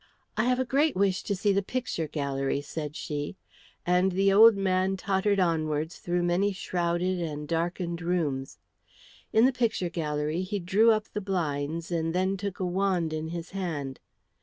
"I have a great wish to see the picture gallery," said she, and the old man tottered onwards through many shrouded and darkened rooms. In the picture gallery he drew up the blinds and then took a wand in his hand.